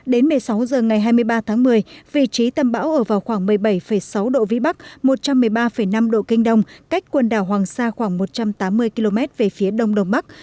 đến một mươi sáu h ngày hai mươi ba tháng một mươi vị trí tâm bão ở vào khoảng một mươi bảy sáu độ vĩ bắc một trăm một mươi ba năm độ kinh đông cách quần đảo hoàng sa khoảng một trăm tám mươi km về phía đông đông bắc